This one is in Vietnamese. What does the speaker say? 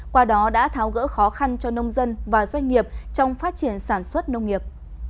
qua đó đã tháo gỡ khó khăn cho nông dân và doanh nghiệp trong phát triển sản xuất nông nghiệp